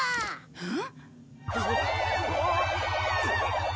えっ！？